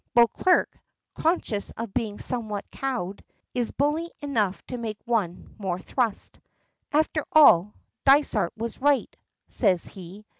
Beauclerk, conscious of being somewhat cowed, is bully enough to make one more thrust. "After all, Dysart was right," says he.